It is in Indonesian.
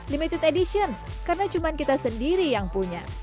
limited edition karena cuma kita sendiri yang punya